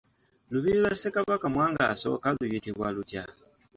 Lubiri lwa Ssekabaka Mwanga I luyitibwa lutya?